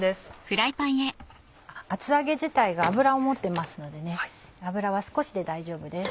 厚揚げ自体が油を持ってますので油は少しで大丈夫です。